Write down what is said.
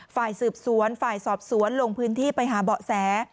ฝ่ายสืบสวนฝ่ายสอบสวนลงพื้นที่ไปหาเบาะแส